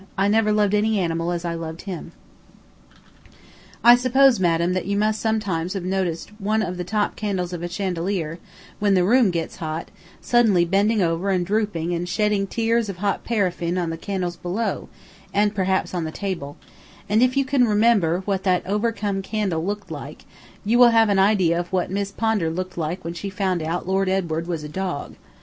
I never loved any animal as I loved him." I suppose, madam, that you must sometimes have noticed one of the top candles of a chandelier, when the room gets hot, suddenly bending over and drooping and shedding tears of hot paraffine on the candles below, and perhaps on the table; and if you can remember what that overcome candle looked like, you will have an idea of what Miss Pondar looked like when she found out Lord Edward was a dog.